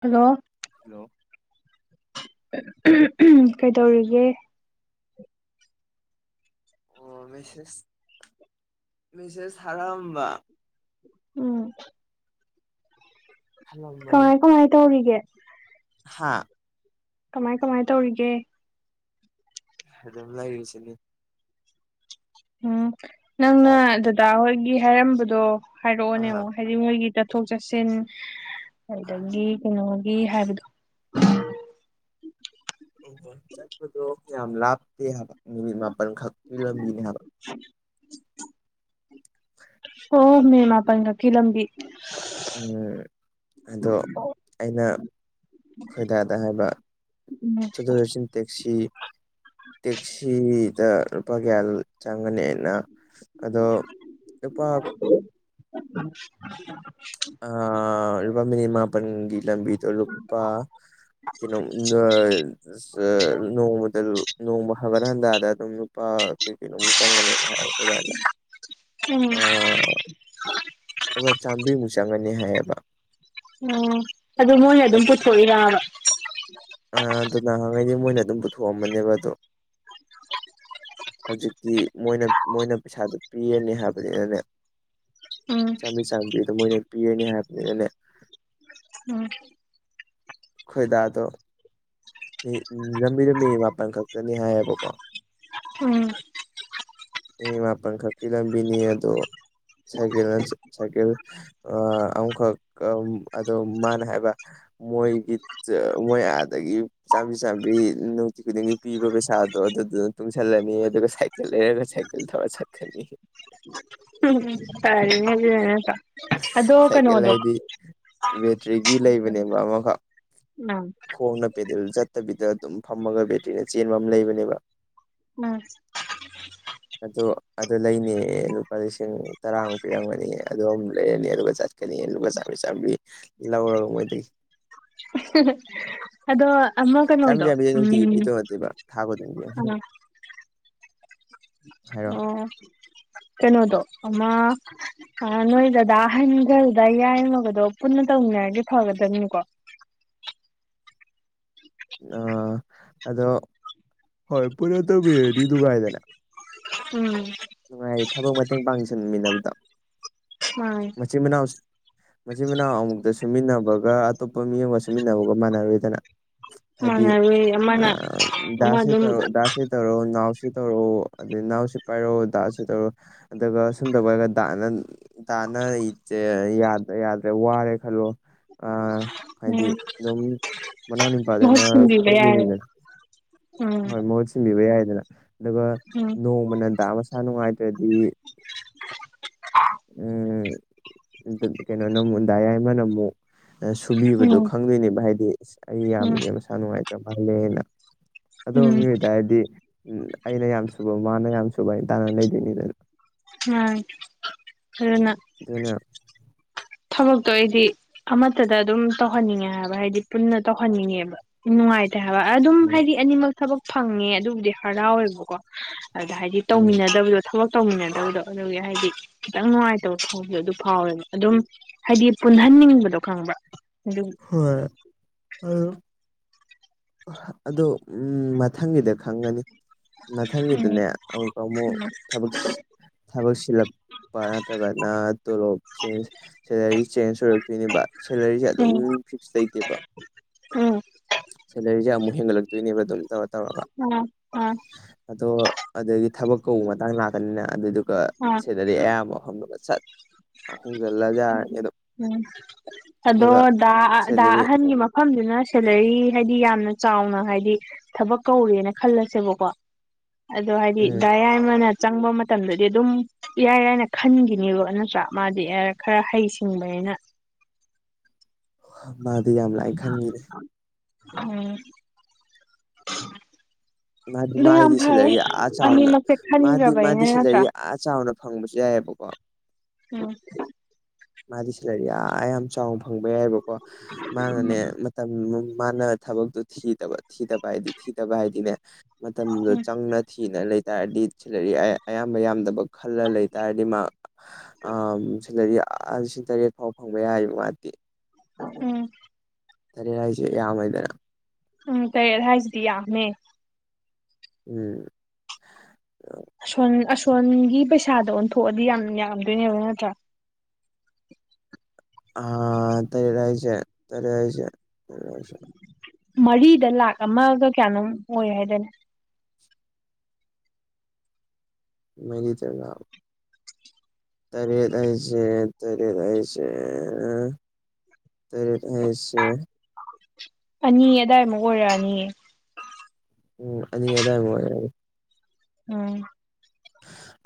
Hello hello ꯀꯩꯗꯧꯔꯤꯒꯦ꯫ ꯑꯣ ꯃꯦꯁꯦꯁ ꯃꯦꯁꯦꯁ ꯊꯔꯑꯝꯕ꯫ ꯎꯝ ꯍꯜꯂꯝꯕꯅꯤ ꯀꯃꯥꯏ ꯀꯃꯥꯏ ꯇꯧꯔꯤꯒꯦ꯫ ꯍꯥꯥ ꯀꯃꯥꯏ ꯀꯃꯥꯏ ꯇꯧꯔꯤꯒꯦ꯫ ꯑꯗꯨꯝ ꯂꯩꯔꯤꯁꯤꯅꯤ꯫ ꯎꯝ ꯅꯪ ꯆꯥꯛ ꯗꯥ ꯍꯣꯏꯒꯤ ꯍꯥꯏꯔꯝꯕꯗꯣ ꯍꯥꯏꯔꯛꯑꯣꯅꯦ꯫ ꯑꯥ ꯍꯥꯏꯗꯤ ꯃꯣꯏꯒꯤ ꯆꯠꯊꯣꯛ ꯆꯠꯁꯤꯟ ꯑꯗꯒꯤ ꯀꯩꯅꯣꯒꯤ ꯍꯥꯏꯕꯗꯣ ꯆꯠꯄꯗꯣ ꯌꯥꯝ ꯂꯥꯞꯇꯦ ꯍꯥꯏꯕ ꯅꯨꯃꯤꯠ ꯃꯥꯄꯜ ꯈꯛꯇꯒꯤ ꯂꯝꯕꯤꯅꯦ ꯍꯥꯏꯕ꯫ [inaudible] [inaudible] ꯑꯣ ꯃꯤꯅꯠ ꯃꯥꯄꯜ ꯈꯛꯀꯤ ꯂꯝꯕꯤ꯫ ꯎꯝ ꯑꯗꯣ ꯑꯩꯅ ꯈꯣꯏꯗꯥꯗ ꯍꯥꯏꯕ ꯎꯝ ꯆꯠꯊꯣꯛ ꯆꯠꯁꯤꯟ ꯇꯦꯛꯁꯤ ꯇꯦꯛꯁꯤꯗ ꯂꯨꯄꯥ ꯀꯌꯥ ꯂꯧ ꯆꯪꯒꯅꯤ ꯑꯩꯅ ꯑꯗꯣ ꯂꯨꯄꯥ [inaudible] [inaudible] ꯂꯨꯄꯥ ꯃꯤꯅꯤꯠ ꯃꯥꯄꯜꯒꯤ ꯂꯝꯕꯤꯗꯣ ꯂꯨꯄꯥ ꯀꯩꯅꯣ [unintelligible] ꯅꯣꯡꯃꯗ ꯅꯣꯡꯃ ꯍꯒꯠ ꯍꯟꯗꯥꯗ ꯑꯗꯨꯝ ꯂꯨꯄꯥ ꯀꯦ ꯀꯂꯣꯝ ꯆꯪꯒꯅꯤ꯫ ꯎꯝ [unintelligible] ꯑꯗꯨꯒ ꯆꯥꯝꯃꯔꯤꯃꯨꯛ ꯆꯪꯉꯅꯤ ꯍꯥꯏꯌꯦꯕ꯫ ꯎꯝ ꯑꯗꯨ ꯃꯣꯏꯅ ꯑꯗꯨꯝ ꯄꯨꯊꯣꯛꯏꯔꯑꯕ꯫ ꯑ ꯑꯗꯨ ꯅꯍꯪꯉꯩꯗꯤ ꯃꯣꯏꯅ ꯑꯗꯨꯝ ꯄꯨꯊꯣꯛꯑꯝꯝꯕꯅꯦꯕ ꯑꯗꯣ ꯍꯧꯖꯤꯛꯇꯤ ꯃꯣꯏꯅ ꯃꯣꯏꯅ ꯄꯩꯁꯥꯗꯨ ꯄꯤꯔꯅꯤ ꯍꯥꯏꯕꯅꯤꯅꯅꯤ ꯎꯝ ꯆꯥꯝꯔꯤ ꯆꯥꯝꯕꯤꯗꯣ ꯃꯣꯏꯅ ꯄꯤꯔꯅꯤ ꯍꯥꯏꯕꯅꯤꯅꯅꯦ ꯎꯝ ꯈꯣꯏꯗꯥꯗꯣ ꯃꯤ ꯂꯝꯕꯤꯗꯣ ꯃꯤꯅꯤꯠ ꯃꯥꯄꯜ ꯈꯛꯇꯅꯤ ꯍꯥꯏꯌꯦꯕꯀꯣ ꯎꯝ ꯃꯤꯅꯠ ꯃꯥꯄꯜ ꯈꯛꯀꯤ ꯂꯝꯕꯤꯅꯤ ꯑꯗꯣ ꯁꯥꯏꯀꯜ ꯁꯥꯏꯀꯜ ꯑ ꯑꯃꯈꯛ ꯑꯝ ꯑꯗꯨꯣ ꯃꯥꯅ ꯍꯥꯏꯕ ꯃꯣꯏꯒꯤ ꯆ ꯃꯣꯏ ꯑꯥꯗꯒꯤ ꯆꯥꯝꯃꯔꯤ ꯆꯥꯝꯃꯔꯤ ꯅꯨꯡꯇꯤ ꯈꯨꯗꯤꯡꯒꯤ ꯄꯤꯕ ꯄꯩꯁꯥꯗꯣ ꯑꯗꯨꯗꯨ ꯇꯨꯡꯁꯜꯂꯅꯤ ꯑꯗꯨꯒ ꯁꯥꯏꯀꯜ ꯂꯩꯔꯒ ꯆꯠ ꯇꯔꯒ ꯆꯇꯀꯥꯅꯦꯌꯦ ꯫ ꯐꯔꯦꯅꯦ ꯑꯗꯨꯅ ꯅꯥꯠꯇꯔ ꯑꯁ ꯁꯥꯏꯀꯜ ꯍꯥꯏꯗꯤ ꯕꯦꯇ꯭ꯔꯤꯒꯤ ꯂꯩꯕꯅꯦꯕ ꯑꯃꯈꯛ ꯎꯝ ꯈꯣꯡꯅ ꯄꯦꯗꯜ ꯆꯠꯇꯕꯤꯗ ꯑꯗꯨꯝ ꯐꯝꯃꯒ ꯕꯦꯇ꯭ꯔꯤꯅ ꯆꯦꯟꯕꯃ ꯂꯩꯕꯅꯦꯕ ꯎꯝ ꯑꯗꯨ ꯑꯗꯨ ꯂꯩꯅꯦ ꯂꯨꯄꯥ ꯂꯤꯁꯤꯡ ꯇꯔꯥꯃꯨꯛ ꯄꯤꯔꯝꯒꯅꯤ ꯑꯝ ꯂꯩꯔꯅꯤ ꯑꯗꯨꯒ ꯆꯠꯀꯅꯤ ꯑꯗꯨꯒ ꯆꯥꯕꯤ ꯆꯥꯝꯕꯤ ꯂꯧꯔꯒ ꯃꯣꯏꯗꯒꯤ꯫ ꯑꯗꯣ ꯆꯥꯝꯃꯔꯤ ꯑꯃꯒꯅꯣꯗꯣ ꯆꯥꯝꯃꯔꯤꯁꯦ ꯅꯨꯡꯇꯤꯒꯤ ꯎꯝ ꯄꯤꯗꯧ ꯅꯠꯇꯦꯕ ꯊꯥ ꯈꯨꯗꯤꯡꯒꯤ ꯑ ꯎꯝ ꯍꯥꯏꯔꯣ ꯑꯣ ꯀꯩꯅꯣꯗ ꯑꯃ ꯅꯣꯏꯗꯗꯥ ꯑꯍꯟ ꯈꯔꯗ ꯌꯥꯏꯃꯒꯗꯣ ꯄꯨꯟꯅ ꯇꯧꯃꯤꯟꯅꯔꯒꯦ ꯐꯒꯗꯕꯅꯤꯀꯣ ꯑꯥ ꯑꯗꯣ ꯍꯣꯏ ꯄꯨꯔꯥ ꯇꯧꯕꯤꯔꯗꯤ ꯀꯥꯏꯗꯅ ꯎꯝ ꯅꯨꯡꯉꯥꯏꯔꯤ ꯊꯕꯛ ꯃꯇꯦꯡ ꯄꯥꯡꯁꯤꯟꯃꯤꯟꯅꯕꯗ ꯃꯥꯅꯦ ꯃꯆꯤꯟ ꯃꯅꯥꯎ ꯃꯆꯤꯟ ꯃꯅꯥꯎ ꯑꯃꯨꯛꯇ ꯁꯨꯃꯤꯟꯅꯕꯒ ꯑꯇꯣꯞꯄ ꯃꯤ ꯑꯃꯒ ꯁꯨꯃꯤꯟꯅꯕꯒ ꯃꯥꯟꯅꯔꯣꯏꯗꯅ ꯍꯥꯏꯗꯤ ꯃꯥꯟꯅꯔꯣꯏ ꯑ ꯑꯃꯅ ꯑꯃ ꯗꯥꯁꯦ ꯑꯗꯨꯝ ꯇꯧꯔ ꯗꯥꯁꯦ ꯇꯧꯔꯣ ꯅꯅꯥꯎꯁꯤ ꯇꯧꯔꯣ ꯑꯗꯩ ꯅꯥꯎꯁꯤ ꯄꯥꯏꯔꯣ ꯗꯥ ꯁꯤ ꯇꯧꯔꯣ ꯑꯗꯨꯒ ꯁꯨꯝ ꯇꯧꯕ ꯑꯣꯏꯔꯒ ꯗꯥꯅ ꯏ ꯇꯅ ꯏꯦ ꯌꯥꯗ꯭ꯔꯦ ꯋꯥꯔꯦ ꯈꯜꯂꯣ ꯑ ꯍꯥꯏꯗꯤ ꯑꯗꯨꯝ ꯃꯅꯥꯎ ꯃꯍꯨꯠ ꯅꯤꯄꯥꯗꯅ ꯁꯤꯟꯕꯤꯕ ꯌꯥꯏ ꯈꯪꯗꯣꯏꯅꯤꯗꯅ ꯎꯝ ꯍꯣꯏ ꯃꯍꯨꯠ ꯁꯤꯟꯕꯤꯕ ꯌꯥꯏꯗꯅ ꯑꯗꯨꯒ ꯎꯝ ꯅꯣꯡꯃꯅꯟꯗꯥ ꯃꯁꯥ ꯅꯨꯡꯉꯥꯏꯇ꯭ꯔꯗꯤ ꯎꯝ ꯀꯩꯅꯣ ꯅꯃꯨꯗꯥ ꯌꯥꯏꯃꯅ ꯑꯃꯨꯛ ꯁꯨꯕꯤꯕꯗꯣ ꯎꯝ ꯈꯪꯗꯣꯏꯅꯦꯕ ꯍꯥꯏꯗꯤ ꯑꯩ ꯎꯝ ꯌꯥꯝꯕꯁꯦ ꯃꯁꯥ ꯅꯨꯡꯉꯥꯏꯇ꯭ꯔ ꯃꯥꯜꯂꯦꯅ ꯑꯣ ꯎꯝ ꯃꯤꯏꯇꯥꯔꯗꯤ ꯎ ꯑꯩꯅ ꯌꯥꯝ ꯁꯨꯕ ꯃꯥꯅ ꯌꯥꯝ ꯁꯨꯕ ꯍꯥꯏ ꯇꯥꯅꯅ ꯂꯩꯗꯣꯏꯅꯤꯗꯅ ꯑ ꯑꯗꯨꯅ ꯑꯗꯨꯅ ꯊꯕꯛꯇꯣ ꯑꯩꯗꯤ ꯑꯃꯠꯇꯗ ꯑꯗꯨꯝ ꯇꯧꯍꯟꯅꯤꯡꯉꯦ ꯍꯥꯏꯕ ꯍꯥꯏꯗꯤ ꯄꯨꯟꯅ ꯇꯧꯍꯟꯅꯤꯡꯉꯦꯕ ꯅꯨꯡꯉꯥꯏꯇꯦ ꯍꯥꯏꯕ ꯑꯗꯨꯝ ꯍꯥꯏꯗꯤ ꯑꯅꯤꯃꯛ ꯊꯕꯛ ꯐꯪꯉꯦ ꯑꯗꯨꯕꯨꯗꯤ ꯍꯔꯥꯎꯋꯦꯕꯀꯣ ꯑꯗ ꯍꯥꯏꯗꯤ ꯎꯝ ꯇꯧꯃꯤꯟꯅꯗꯕꯗꯣ ꯊꯕꯛ ꯇꯧꯃꯤꯟꯅꯗꯕꯗꯣ ꯑꯗꯨꯒꯤ ꯍꯥꯏꯗꯤ ꯈꯤꯇꯪ ꯅꯨꯡꯉꯥꯏꯇꯕ ꯐꯥꯎꯕꯗꯣ ꯑꯗꯨ ꯐꯥꯎꯋꯦꯕ ꯑꯗꯨꯝ ꯍꯥꯏꯗꯤ ꯄꯨꯟꯍꯟꯅꯤꯡꯕꯗꯣ ꯈꯪꯕ ꯑꯗꯨ ꯍꯣꯏ ꯑꯗꯨ ꯑꯗꯣ ꯎꯝ ꯃꯊꯪꯒꯤꯗ ꯈꯪꯒꯅꯤ ꯎꯝ ꯃꯊꯪꯒꯤꯗꯨꯅꯦ ꯑꯃꯨꯛꯀ ꯑꯃꯨꯛ ꯊꯕꯛ ꯁꯤ ꯄꯔꯠꯇꯒꯅ ꯇꯣ ꯂꯣ ꯆ ꯁꯦꯂꯔꯤ ꯆꯦꯟꯖ ꯑꯣꯏꯔꯛꯇꯣꯏꯅꯦꯕ ꯁꯦꯂꯔꯤꯁꯦ ꯑꯗꯨꯝ ꯐꯤꯛꯁ ꯂꯩꯇꯦꯕ ꯎꯝ ꯁꯦꯂꯔꯤꯁꯦ ꯑꯃꯨꯛ ꯍꯦꯟꯒꯠꯂꯛꯇꯣꯏꯅꯦꯕ ꯑꯗꯨꯝ ꯇꯧꯔ ꯇꯧꯔꯒ ꯎꯝ ꯑꯥ ꯑꯗꯣ ꯑꯗꯨꯗꯒꯤ ꯊꯕꯛ ꯀꯧꯕ ꯃꯇꯥꯡ ꯂꯥꯛꯀꯅꯤꯅ ꯑꯗꯨꯗꯨꯒ ꯑꯥ ꯁꯦꯂꯔꯤ ꯑꯌꯥꯝꯕ ꯃꯐꯝꯗꯨꯒ ꯆꯠ ꯎꯝ ꯑꯗꯨꯒ ꯑꯗꯣ ꯁꯦꯂꯔꯤ ꯑꯍꯟꯉ ꯃꯐꯝꯗꯨꯅ ꯁꯦꯂꯔꯤ ꯍꯥꯏꯗꯤ ꯌꯥꯝꯅ ꯆꯥꯎꯅ ꯍꯥꯏꯗꯤ ꯊꯕꯛ ꯀꯧꯔꯦꯅ ꯈꯜꯂꯁꯦꯕꯀꯣ ꯑꯗꯣ ꯍꯥꯏꯗꯤ ꯎꯝ ꯗꯥꯔꯏꯃꯅ ꯆꯪꯕ ꯃꯇꯝꯗꯗꯤ ꯑꯗꯨꯝ ꯏꯔꯥꯏ ꯏꯔꯥꯏꯅ ꯈꯟꯈꯤꯅꯦꯕ ꯅꯠꯇ꯭ꯔꯥ ꯃꯥꯗꯤ ꯈꯔ ꯍꯩꯁꯤꯡꯕꯅꯤꯅ ꯃꯥꯗꯤ ꯌꯥꯝ ꯂꯥꯛꯑꯦ ꯈꯟꯈꯤꯔꯦ ꯎꯝ ꯃꯥꯗꯤ ꯑꯗꯨ ꯃꯥ ꯌꯥꯝ ꯍꯥꯏꯗꯤꯁꯤ ꯐꯔꯦ ꯂꯩ ꯑ ꯆꯥꯎꯅ ꯑꯅꯤꯃꯛꯁꯦ ꯃꯥꯗꯤ ꯃꯥꯗꯤ ꯈꯟꯈ꯭ꯔꯕꯅꯤꯅ ꯅꯠꯇ꯭ꯔꯥ ꯁꯦꯂꯔꯤ ꯑ ꯆꯥꯎꯅ ꯐꯪꯕꯁꯨ ꯌꯥꯏꯑꯕꯀꯣ ꯎꯝ ꯃꯥꯗꯤ ꯁꯦꯂꯔꯤꯌꯥ ꯌꯥꯝ ꯆꯥꯎꯅ ꯐꯪꯕ ꯌꯥꯏꯑꯕꯀꯣ ꯃꯥꯅꯅꯦ ꯃꯇꯝ ꯃꯥꯟꯅ ꯊꯕꯛꯇꯣ ꯊꯤꯗꯕ ꯊꯤꯗꯕ ꯍꯥꯏꯗꯤ ꯊꯤꯗꯕ ꯍꯥꯏꯗꯤꯅꯦ ꯃꯇꯝꯗꯣ ꯎꯝ ꯆꯪꯅ ꯊꯤꯅ ꯂꯩ ꯇꯥꯔꯗꯤ ꯁꯂꯔꯤ ꯑꯌꯥꯝꯕ ꯌꯥꯝꯗꯕ ꯈꯜꯂ ꯂꯩꯇꯥꯥꯔꯗꯤ ꯃꯥ ꯁꯤꯅꯔꯤ ꯂꯤꯁꯤꯡ ꯇꯔꯦꯠ ꯐꯥꯎꯕ ꯐꯪꯕ ꯌꯥꯏꯕ ꯃꯥꯗꯦ ꯎꯝ ꯇꯔꯦ ꯍꯥꯏꯁꯦ ꯌꯥꯝꯃ ꯍꯥꯏꯗꯅ ꯎꯝ ꯀꯩ ꯍꯥꯏꯁꯤꯗꯤ ꯌꯥꯅꯦ ꯎꯝ ꯑꯁꯣꯟ ꯑꯁꯣꯟꯒꯤ ꯄꯩꯁꯥꯗꯣ ꯑꯣꯟꯊꯣꯛꯑꯗꯤ ꯌꯥꯝ ꯌꯥꯝꯗꯣꯏꯅꯦꯕ ꯅꯠꯇ꯭ꯔꯥ ꯑ ꯊꯔꯥ ꯊꯂꯤꯥ ꯃꯔꯤꯗ ꯂꯥꯛ ꯑꯃꯒ ꯀꯌꯥꯅꯣꯝ ꯑꯣꯏ ꯍꯥꯏꯗꯥꯏꯅꯦ ꯃꯔꯤꯗ ꯂꯥꯛ ꯇꯔꯦꯠ ꯍꯥꯏꯁꯦ ꯇꯔꯦꯠ ꯍꯥꯏꯁꯦ ꯇꯔꯦꯠ ꯍꯥꯏꯁꯦ ꯑꯅꯤ ꯑꯗꯥꯏꯃꯨꯛ ꯑꯣꯏꯔꯛꯑꯅꯤꯌꯦ ꯎꯝ ꯑꯅꯤ ꯑꯗꯥꯋꯥꯏꯃꯨꯛ ꯑꯣꯏꯔꯅꯤ ꯎꯝ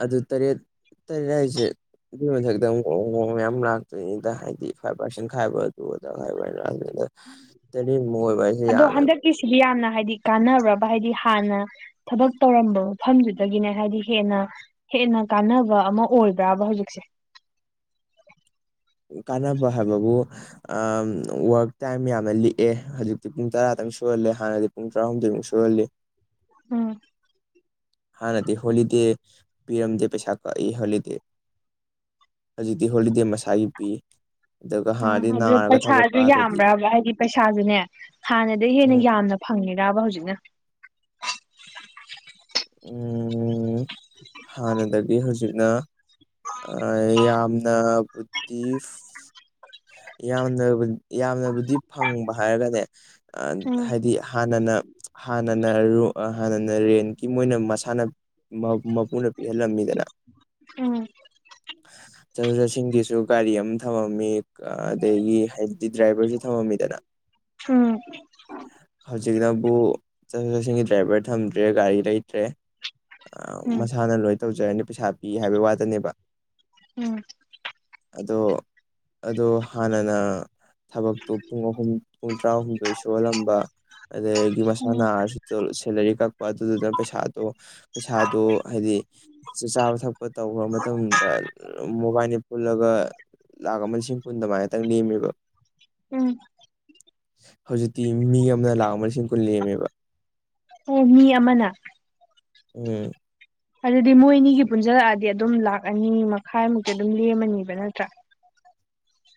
ꯑꯗꯨ ꯇꯔꯦꯠ ꯇꯔꯦꯠ ꯍꯥꯏꯁꯦ ꯑꯗꯨꯏ ꯃꯊꯛꯇ ꯑꯃꯨꯛ ꯑꯣ [unintelligible] ꯃꯌꯥꯝ ꯂꯥꯛꯇꯣꯏꯅꯤꯗ ꯍꯥꯏꯗꯤ ꯐꯥꯏꯚ ꯄꯥꯔꯁꯦꯟ ꯈꯥꯏꯕ ꯑꯗꯨ ꯑꯗꯥ ꯈꯥꯏꯕ ꯍꯥꯏꯅ [unintelligible] ꯇꯔꯦꯠꯃꯨꯛ ꯑꯣꯏꯕ ꯍꯥꯏꯁꯦ ꯌꯥꯝꯃꯦꯕ ꯏꯁ ꯁꯤꯗꯤ ꯌꯥꯝꯅ ꯍꯥꯏꯗꯤ ꯀꯥꯟꯅ꯭ꯔꯕ ꯍꯥꯏꯗꯤ ꯍꯥꯟꯅ ꯊꯕꯛ ꯇꯧꯔꯝꯕ ꯃꯐꯝꯗꯨꯗꯒꯤꯅꯦ ꯍꯥꯏꯗꯤ ꯍꯦꯟꯅ ꯍꯦꯟꯅ ꯀꯥꯟꯅꯕ ꯑꯃ ꯑꯣꯏꯕ꯭ꯔꯥꯕ ꯍꯧꯖꯤꯛꯁꯦ ꯀꯥꯟꯅꯕ ꯍꯥꯏꯕꯕꯨ ꯑ ꯋꯔꯛ ꯇꯥꯏꯝ ꯌꯥꯝꯅ ꯂꯤꯛꯑꯦ ꯍꯧꯖꯤꯛꯇꯤ ꯄꯨꯡ ꯇꯔꯥꯗꯪ ꯁꯨꯍꯜꯂꯦ ꯍꯥꯟꯅꯗꯤ ꯄꯨꯡ ꯇꯔꯥꯍꯨꯝꯗꯣꯏꯃꯨꯛ ꯁꯨꯍꯜꯂꯤ ꯎꯝ ꯍꯥꯟꯅꯗꯤ ꯍꯣꯂꯤꯗꯦ ꯄꯤꯔꯝꯗꯦ ꯄꯩꯁꯥ ꯀꯛꯏ ꯍꯣꯂꯤꯗꯦ ꯍꯧꯖꯤꯛꯇꯤ ꯍꯣꯂꯤꯗꯦ ꯃꯁꯥꯒꯤ ꯄꯤ ꯑꯗꯨꯒ ꯎꯝ ꯍꯥꯟꯅꯗꯤ ꯑꯗꯨ ꯅꯥꯔꯒ ꯊꯕꯛ ꯄꯩꯁꯥꯁꯨ ꯀꯥꯗ꯭ꯔꯗꯤ ꯌꯥꯝꯕ꯭ꯔꯕ ꯍꯥꯏꯗꯤ ꯄꯩꯁꯥꯁꯨꯅꯦ ꯍꯥꯟꯅꯗꯒꯤ ꯍꯦꯟꯅ ꯎꯝ ꯌꯥꯝꯅ ꯐꯪꯉꯤꯔꯥꯕ ꯍꯧꯖꯤꯛꯅ ꯎꯝ [inaudible] ꯍꯥꯟꯅꯗꯒꯤ ꯍꯧꯖꯤꯛꯅ ꯑ ꯌꯥꯝꯅ ꯕꯨꯗꯤ ꯌꯥꯝꯅ ꯌꯥꯝꯅꯕꯨꯗꯤ ꯐꯪꯕ ꯍꯥꯏꯔꯒꯅꯦ ꯎꯝ ꯍꯥꯏꯗꯤ ꯍꯥꯟꯅꯅ ꯍꯥꯟꯅꯅ ꯍꯥꯟꯅꯅ ꯔꯦꯟꯒꯤ ꯃꯣꯏꯅ ꯃꯁꯥꯟꯅ ꯃꯄꯨꯅ ꯄꯤꯍꯜꯂꯝꯃꯤꯗꯅ ꯎꯝ ꯆꯠꯊꯣꯛ ꯆꯠꯁꯤꯟꯒꯤꯁꯨ ꯒꯥꯔꯤ ꯑꯃ ꯊꯝꯃꯝꯃꯤ ꯑꯗꯒꯤ ꯍꯥꯏ ꯗꯤ ꯗ꯭ꯔꯥꯏꯚꯔꯁꯨ ꯊꯃꯃꯤꯗꯅ ꯎꯝ ꯍꯧ ꯖꯤꯛꯅꯕꯨ ꯆꯠꯊꯣꯛ ꯆꯠꯁꯤꯟꯒꯤ ꯗ꯭ꯔꯥꯏꯕꯔ ꯊꯝꯗ꯭ꯔꯦ ꯒꯥꯔꯤ ꯂꯩꯇ꯭ꯔꯦ ꯃꯁꯥꯅ ꯂꯣꯏ ꯇꯧꯖꯔꯅꯤ ꯄꯩꯁꯥ ꯄꯤ ꯍꯥꯏꯕꯩ ꯋꯥꯇꯅꯦꯕ ꯎꯝ ꯑꯗꯣ ꯑꯗꯣ ꯍꯥꯟꯅꯅ ꯊꯕꯛꯇꯣ ꯄꯨꯡ ꯑꯍꯨꯝ ꯄꯨꯡ ꯇꯔꯥꯍꯨꯝꯗꯣꯏ ꯁꯨꯍꯜꯂꯝꯕ ꯑꯗꯒꯤ ꯃꯁꯥ ꯎꯝ ꯅꯥꯔꯁꯨ ꯁꯦꯂꯔꯤ ꯀꯛꯄ ꯑꯗꯨꯗꯨꯅ ꯄꯩꯁꯥꯗꯣ ꯄꯩꯁꯥꯗꯣ ꯍꯥꯏꯗꯤ ꯆꯥꯕ ꯊꯛꯄ ꯇꯧꯈ꯭ꯔ ꯃꯇꯝꯗ ꯃꯣꯕꯥꯏꯅꯤ ꯄꯨꯜꯂꯒ ꯂꯥꯛ ꯑꯃ ꯂꯤꯁꯤꯡ ꯀꯨꯟ ꯗꯨꯃꯥꯏꯇꯪ ꯂꯦꯝꯃꯦꯕ ꯎꯝ ꯍꯧꯖꯤꯛꯇꯤ ꯃꯤ ꯑꯃꯅ ꯂꯥꯛ ꯑꯃ ꯂꯤꯁꯤꯡ ꯀꯨꯟ ꯂꯦꯝꯃꯦꯕ ꯑꯣ ꯃꯤ ꯑꯃꯅ ꯎꯝ ꯑꯗꯨꯗꯤ ꯃꯣꯏ ꯑꯅꯤꯒꯤ ꯄꯨꯟꯖꯜꯂꯛꯑꯗꯤ ꯑꯗꯨꯝ ꯂꯥꯛ ꯑꯅꯤ ꯃꯈꯥꯏꯃꯨꯛꯇꯤ ꯑꯗꯨꯝ ꯂꯦꯝꯃꯅꯤꯕ ꯅꯠꯇ꯭ꯔꯥ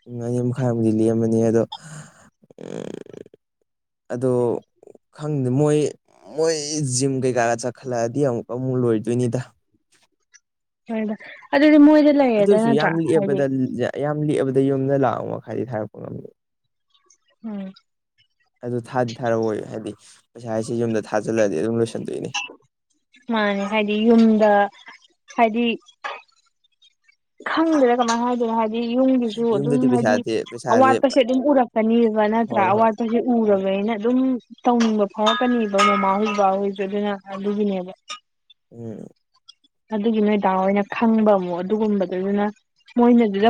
ꯎꯝ ꯑꯅꯤ ꯃꯈꯥꯏ ꯃꯨꯛꯗꯤ ꯂꯦꯝꯃꯅꯤ ꯑꯗꯣ ꯑꯗꯣ ꯈꯪꯗꯦ ꯃꯣꯏ ꯃꯣꯏ ꯖꯤꯝ ꯀꯩꯀꯥꯒ ꯆꯠꯈꯠꯂꯛꯑꯗꯤ ꯑꯃꯨꯛꯀ ꯑꯃꯨꯛ ꯂꯣꯏꯗꯣꯏꯅꯤꯗ ꯍꯣꯏꯗ ꯑꯗꯨꯗꯤ ꯃꯣꯏꯗꯤ ꯂꯩꯔꯦꯗ ꯑꯗꯨꯁꯨ ꯅꯠꯇ꯭ꯔꯥ ꯌꯥꯝ ꯍꯥꯏꯗꯤ ꯂꯤꯛꯑꯕꯗ ꯌꯥꯝ ꯂꯤꯛꯑꯕꯗ ꯌꯨꯝꯗ ꯂꯥꯛꯑ ꯃꯈꯥꯏꯗꯤ ꯊꯥꯔꯛꯄ ꯉꯝꯃꯤ ꯎꯝ ꯑꯗꯨ ꯊꯥꯗꯤ ꯊꯥꯔꯛꯑꯣꯏ ꯍꯥꯏꯗꯤ ꯄꯩꯁꯥ ꯍꯥꯏꯁꯤ ꯌꯨꯝꯗ ꯊꯥꯖꯤꯜꯂꯗꯤ ꯑꯗꯨꯝ ꯂꯣꯏꯁꯤꯟꯗꯣꯏꯅꯤ ꯃꯥꯅꯦ ꯍꯥꯏꯗꯤ ꯌꯨꯝꯗ ꯍꯥꯏꯗꯤ ꯈꯪꯗ꯭ꯔꯦ ꯀꯃꯥꯏꯅ ꯍꯥꯏꯗꯣꯏꯅꯣ ꯍꯥꯏꯗꯤ ꯌꯨꯝꯒꯤꯁꯨ ꯑꯗꯨꯝ ꯌꯨꯝꯗꯗꯤ ꯍꯥꯏꯗꯤ ꯄꯩꯁꯥꯁꯦ ꯄꯩꯁꯥꯁꯦ ꯑꯋꯥꯠꯄꯁꯦ ꯑꯗꯨꯝ ꯎꯔꯛꯀꯅꯦꯕ ꯅꯠꯇ꯭ꯔꯥ ꯍꯣꯏ ꯍꯣꯏ ꯑꯋꯥꯠꯄꯁꯦ ꯍꯣꯏ ꯎꯔꯕꯅꯤꯅ ꯑꯗꯨꯝ ꯇꯧꯅꯤꯡꯕ ꯐꯥꯎꯔꯛꯀꯅꯦꯕ ꯃꯃꯥꯍꯣꯏ ꯕꯥꯍꯣꯏꯁꯨ ꯑꯗꯨꯅ ꯑꯗꯨꯒꯤꯅꯦꯕ ꯎꯝ ꯑꯗꯨꯒꯤ ꯅꯣꯏꯗꯥꯡꯅ ꯈꯪꯕ ꯑꯃꯨꯛ ꯑꯗꯨꯒꯨꯝꯕꯗꯨꯗꯨꯅ ꯃꯣꯏꯅꯗꯨꯗ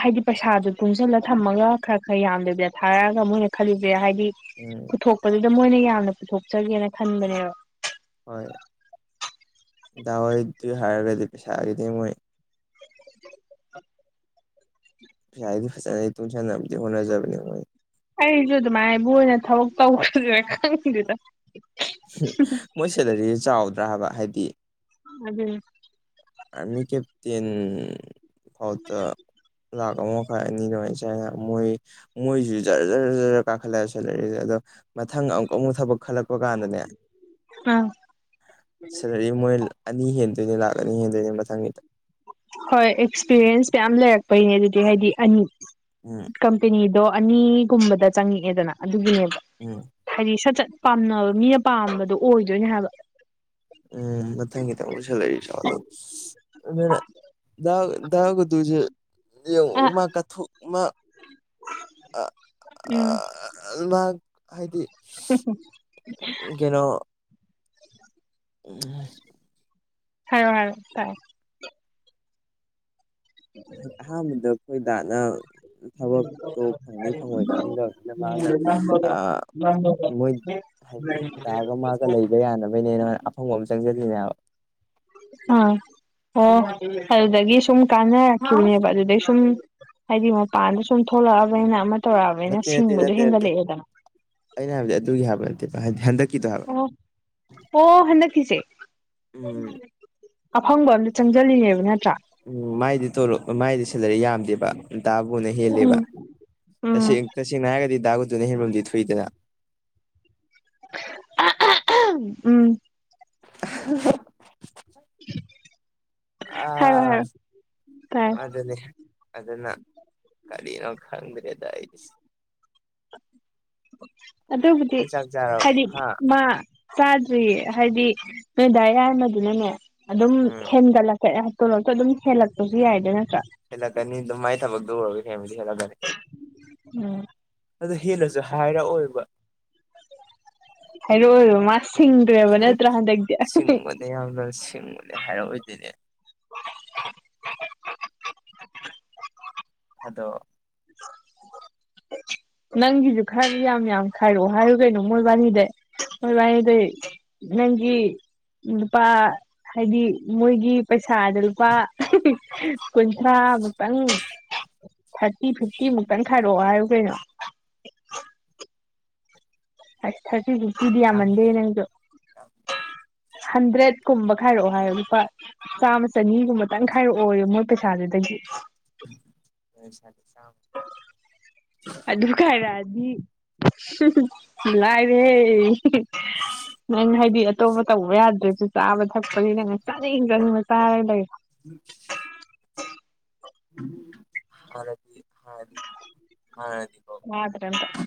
ꯍꯥꯏꯗꯤ ꯄꯩꯁꯥꯗꯨꯣ ꯇꯨꯡꯁꯤꯜꯂ ꯊꯝꯃꯒ ꯈꯔ ꯈꯔ ꯌꯥꯝꯗꯦꯗ ꯊꯥꯔꯛꯑꯒ ꯃꯣꯏꯅ ꯈꯜꯂꯤꯁꯦ ꯍꯥꯏꯗꯤ ꯎꯝ ꯄꯨꯊꯣꯛꯄꯗꯨꯗ ꯃꯣꯏꯅ ꯌꯥꯝꯅ ꯄꯨꯊꯣꯛꯆꯒꯦꯅ ꯈꯟꯕꯅꯦꯕ ꯍꯣꯏ ꯗꯋꯥꯏ ꯑꯗꯨ ꯍꯔꯒꯗꯤ ꯄꯩꯁꯥꯒꯗꯤ ꯃꯣꯏ [unintelligible] ꯄꯩꯁꯥꯗꯤ ꯐꯖꯅ ꯑꯩ ꯇꯨꯡꯁꯟꯅꯅꯕꯗꯤ ꯍꯣꯠꯅꯖꯕꯅꯦ ꯃꯣꯏ ꯑꯩꯁꯨ ꯑꯗꯨꯃꯥꯏꯅꯕꯨ ꯑꯣꯏꯅ ꯊꯕꯛ ꯇꯧꯈ꯭ꯔꯁꯤꯔ ꯈꯪꯗꯦꯗ ꯃꯣꯏ ꯁꯦꯂꯔꯤꯁꯦ ꯆꯥꯎꯗ꯭ꯔꯥꯍꯥꯏꯕ ꯍꯥꯏꯗꯤ ꯑꯗ ꯑꯔꯃꯤ ꯀꯦꯞꯇꯦꯟ ꯐꯥꯎꯗ ꯂꯥꯛꯈ ꯑꯃ ꯃꯈꯥꯏ ꯑꯅꯤ ꯑꯗꯨꯃꯥꯏ ꯆꯥꯏ ꯍꯥꯏ ꯃꯣꯏ ꯃꯣꯏꯁꯤ ꯖꯔ ꯖꯔ ꯖꯔꯖꯔ ꯀꯥꯈꯠꯂꯛꯑꯁꯨ ꯂꯩꯛꯔꯤꯁꯦ ꯑꯗꯣ ꯃꯊꯪ ꯑꯃꯨꯛꯀ ꯑꯃꯨꯛ ꯊꯕꯛ ꯈꯜꯂꯛꯄ ꯋꯥꯥꯟꯗꯅꯦ ꯑꯥ ꯁꯤꯗꯏ ꯃꯣꯏ ꯑꯅꯤ ꯍꯦꯟꯗꯣꯏꯅꯦ ꯂꯥꯛ ꯑꯅꯤ ꯍꯦꯟꯗꯣꯏꯅꯦ ꯃꯊꯪꯒꯤꯗ ꯍꯣꯏ ꯑꯦꯛꯁꯄꯤꯔꯤꯌꯦꯟꯁ ꯃꯌꯥꯝ ꯂꯩꯔꯛꯄꯩꯅꯦ ꯑꯗꯨꯗꯤ ꯍꯥꯏꯗꯤ ꯑꯅꯤ ꯎꯝ ꯀꯝꯄꯦꯅꯤꯗꯣ ꯑꯅꯤꯒꯨꯝꯕꯗ ꯆꯪꯉꯛꯑꯦꯗꯅ ꯑꯗꯨꯒꯤꯅꯦꯕ ꯎꯝ ꯍꯥꯏꯗꯤ ꯁꯠ ꯁꯠ ꯄꯥꯝꯅꯕ ꯃꯤꯅ ꯄꯥꯝꯕꯗꯣ ꯑꯣꯏꯗꯣꯏꯅꯦ ꯍꯥꯏꯕ ꯎꯝ ꯃꯊꯪꯒꯤꯗ ꯑꯃꯨꯛ ꯁꯦꯂꯔꯤ ꯆꯥ ꯑꯗꯨꯅ ꯒꯇꯁꯦ ꯌꯦꯡ ꯑ ꯃꯥ ꯀꯥꯊꯣꯛ ꯃꯥ ꯑ ꯑ ꯎꯝ ꯃꯥ ꯍꯥꯏꯗꯤ ꯎꯝ ꯍꯨꯝ ꯀꯩꯅꯣ [unintelligible] ꯍꯥꯏꯔꯣ ꯍꯥꯏꯔꯣ ꯇꯥꯏ ꯗꯤ ꯑꯍꯥꯟꯕꯗ ꯑꯩꯈꯣꯏ ꯗꯥꯅ ꯊꯕꯛꯇꯣ ꯐꯪꯅꯤ ꯐꯪꯉꯣꯏ ꯈꯟꯗ ꯑꯗꯨ ꯃꯥꯅ ꯃꯣꯏ ꯍꯥꯏꯗꯤ ꯗꯥꯒ ꯃꯥꯒ ꯂꯩꯕ ꯌꯥꯅꯕꯩꯅꯦꯅ ꯑꯐꯪꯕ ꯑꯃ ꯆꯪꯖꯜꯂꯤꯅꯦꯕ ꯑꯥ ꯑꯣ ꯑꯗꯨꯗꯒꯤ ꯁꯨꯝ ꯀꯥꯟꯅꯔꯛꯈꯤꯕꯅꯦꯕ ꯑꯗꯨꯗꯩ ꯁꯨꯝ ꯍꯥꯏꯗꯤ ꯃꯄꯥꯟꯗ ꯁꯨꯝ ꯊꯣꯛꯂꯛꯑꯕꯅꯤꯅ ꯑꯃ ꯅꯠꯇꯦ ꯇꯧꯔꯛꯑꯕꯅꯤꯅ ꯅꯠꯇꯦ ꯁꯤꯡꯕꯗꯣ ꯅꯠꯇꯦ ꯅꯠꯇꯦ ꯍꯦꯟꯒꯠꯂꯛꯑꯦꯗꯅ ꯑꯩꯅ ꯍꯥꯏꯕꯗꯤ ꯑꯗꯨꯒꯤ ꯍꯥꯏꯕ ꯅꯠꯇꯦꯕ ꯍꯟꯗꯛꯀꯤꯗꯣ ꯍꯥꯏꯕ ꯑꯣ ꯍꯟꯗꯛꯀꯤꯁꯦ ꯎꯝ ꯑꯐꯪꯕ ꯑꯝꯇ ꯆꯪꯁꯤꯜꯂꯤꯅꯦꯕ ꯅꯠꯇ꯭ꯔꯥ ꯎꯝ ꯃꯥꯏꯗꯤ ꯇꯂꯣꯞ ꯃꯥꯏꯗꯤ ꯁꯦꯂꯔꯤ ꯌꯥꯝꯗꯦꯕ ꯟ꯫ꯗꯥꯕꯨꯅ ꯍꯦꯜꯂꯦꯕ ꯎꯝ ꯎꯝ ꯇꯁꯦꯡ ꯇꯁꯦꯡꯅ ꯍꯥꯏꯔꯒꯗꯤ ꯗꯥꯒꯨꯇꯨꯅ ꯍꯦꯟꯕꯝꯗꯤ ꯊꯨꯏꯗꯅ ꯎꯝ [unintelligible] [unintelligible] ꯍꯥꯏꯔꯣ ꯑ ꯍꯥꯏꯔꯣ ꯇꯥꯏ ꯑꯗꯅꯦ ꯑꯗꯨꯅ ꯀꯂꯤꯅꯣ ꯈꯗ꯭ꯔꯗꯏ ꯑꯗꯨꯕꯨꯗꯤ ꯅꯪ ꯆꯥꯛ ꯆꯥꯔꯕ ꯍꯥꯏꯗꯤ ꯍꯥ ꯃꯥ ꯆꯥꯗ꯭ꯔꯤꯌꯦ ꯍꯥꯏꯗꯤ ꯅꯣꯏ ꯗꯥ ꯌꯥꯏꯃꯗꯨꯅꯅꯦ ꯑꯗꯨꯝ ꯎꯝ ꯍꯦꯟꯒꯠꯂꯛ ꯇꯣꯂꯣꯞꯇ ꯑꯗꯨꯝ ꯍꯦꯜꯂꯛꯄꯁꯨ ꯌꯥꯏꯗꯣ ꯅꯠꯇ꯭ꯔꯥ ꯍꯂꯛꯒꯅꯤ ꯑꯗꯨꯝꯥꯏ ꯊꯛꯗꯧꯔꯒꯦ ꯐꯦꯃꯤꯂꯤ ꯍꯂꯒꯅꯤ ꯎꯝ ꯑꯗꯨꯣ ꯍꯦꯟꯅꯁꯨ ꯍꯥꯏꯔꯛꯑꯣꯏꯕ ꯍꯥꯏꯔꯛꯑꯣꯏꯕ ꯃꯥ ꯁꯤꯡꯒꯔꯦꯕ ꯅꯠꯇ꯭ꯔꯥ ꯍꯟꯗꯛꯇꯤ ꯁꯤꯡꯕꯅꯦ ꯌꯥꯝꯅ ꯁꯤꯡ ꯍꯥꯏꯔꯛꯑꯣꯏꯗꯣꯏꯅꯦ [unintelligible] ꯑꯗꯣ ꯅꯪꯒꯤꯁꯨ ꯈꯔꯗꯤ ꯌꯥꯝ ꯌꯥꯝ ꯈꯥꯏꯔꯛꯑꯣ ꯍꯥꯏꯌꯨ ꯀꯩꯅꯣ ꯃꯣꯏꯕꯥꯅꯤꯗꯩ ꯃꯣꯏꯕꯥꯅꯤꯗꯩ ꯅꯪꯒꯤ ꯅꯨꯨꯄꯥ ꯍꯥꯏꯗꯤ ꯃꯣꯏꯒꯤ ꯄꯩꯁꯥꯗ ꯂꯨꯄꯥ ꯀꯨꯟꯊ꯭ꯔꯥ ꯃꯨꯛꯇꯪ ꯊꯥꯔꯇꯤ ꯐꯤꯐꯇꯤ ꯃꯨꯛꯇꯪ ꯈꯥꯏꯔꯛꯑꯣ ꯍꯥꯏꯔꯨ ꯀꯩꯅꯣ [unintelligible] ꯑꯁ ꯊꯥꯔꯇꯤ ꯐꯤꯐꯇꯤꯗꯤ ꯌꯥꯝ ꯌꯥꯝꯃꯟꯗꯦꯍꯦ ꯅꯪꯁꯨ ꯍꯟꯗ꯭ꯔꯦꯠꯀꯨꯝꯕ ꯈꯥꯏꯔꯛꯑꯣ ꯍꯥꯏꯌꯨ ꯂꯨꯄꯥ ꯆꯥꯝꯃ ꯆꯅꯤꯒꯨꯝꯕꯇꯪ ꯈꯥꯏꯔꯛꯑꯣꯌꯣ ꯃꯣꯏ ꯄꯩꯁꯥꯗꯨꯗꯒꯤ [unintelligible] [unintelligible] ꯑꯗꯨ ꯈꯥꯏꯔꯛꯑꯗꯤ ꯂꯥꯏꯔꯦ ꯅꯪ ꯍꯥꯏꯗꯤ ꯑꯇꯣꯞꯄ ꯇꯧꯕ ꯌꯥꯗ꯭ꯔꯁꯨ ꯆꯥꯕ ꯊꯛꯄꯅꯤꯅ ꯆꯥꯅꯤꯡ ꯆꯅꯤꯡꯕ ꯆꯥꯔ ꯂꯩ [unintelligible] ꯍꯥꯥꯟꯅꯗꯤ ꯍꯥꯥꯟꯅꯗꯤ ꯍꯥꯥꯟꯅꯗꯤꯀꯣ [unintelligible]